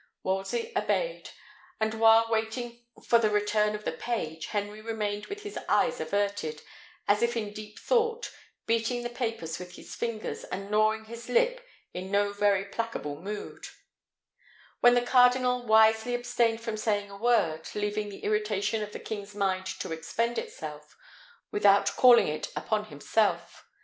Wolsey obeyed; and, while waiting for the return of the page, Henry remained with his eyes averted, as if in deep thought, beating the papers with his fingers, and gnawing his lip in no very placable mood; while the cardinal wisely abstained from saying a word, leaving the irritation of the king's mind to expend itself, without calling it upon himself.